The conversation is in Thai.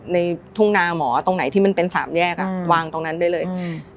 ทุ่งนาหมอตรงไหนที่มันเป็นสามแยกอ่ะวางตรงนั้นได้เลยอืม